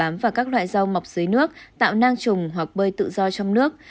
rau mọc dưới nước tạo nang trùng hoặc bơi tự do trong nước